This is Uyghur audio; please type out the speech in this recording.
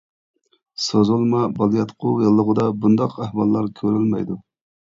سوزۇلما بالىياتقۇ ياللۇغىدا بۇنداق ئەھۋاللار كۆرۈلمەيدۇ.